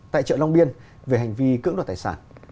tại chợ long biên về hành vi cưỡng đoạt tài sản